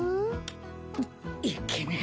いいけねえ